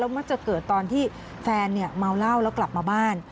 มักจะเกิดตอนที่แฟนเมาเหล้าแล้วกลับมาบ้าน